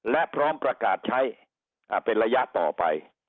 และพร้อมประกาศใช้เป็นระยะต่อไป